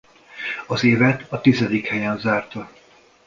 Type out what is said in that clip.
Az évet a tizedik helyen zárta.